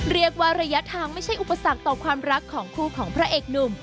ระยะทางไม่ใช่อุปสรรคต่อความรักของคู่ของพระเอกหนุ่ม